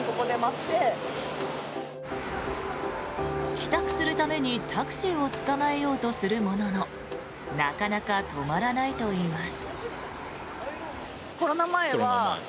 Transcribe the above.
帰宅するために、タクシーをつかまえようとするもののなかなか止まらないといいます。